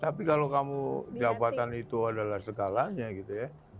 tapi kalau kamu jabatan itu adalah skalanya gitu ya